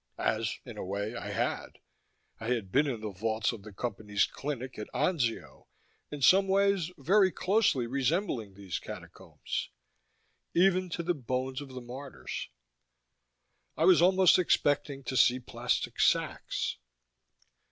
As, in a way, I had: I had been in the vaults of the Company's clinic at Anzio, in some ways very closely resembling these Catacombs Even to the bones of the martyrs. I was almost expecting to see plastic sacks.